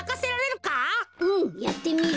うんやってみる！